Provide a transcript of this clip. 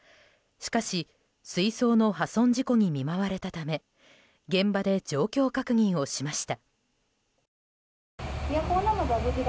しかし、水槽の破損事故に見舞われたため現場で状況確認をしました。